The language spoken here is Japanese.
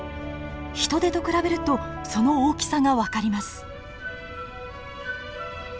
ヒトデと比べるとその大きさが分かります。